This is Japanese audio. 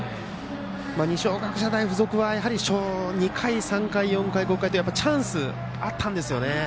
二松学舎大付属は２回、３回、４回、５回とチャンスがあったんですよね。